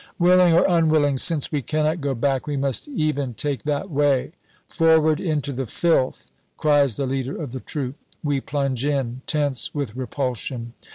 Willing or unwilling, since we cannot go back, we must even take that way. "Forward into the filth!" cries the leader of the troop. We plunge in, tense with repulsion.